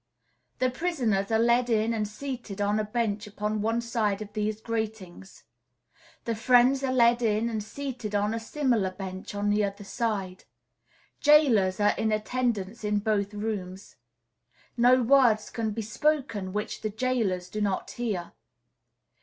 The prisoners are led in and seated on a bench upon one side of these gratings; the friends are led in and seated on a similar bench on the other side; jailers are in attendance in both rooms; no words can be spoken which the jailers do not hear.